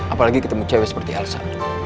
apalagi ketemu cewek seperti alsan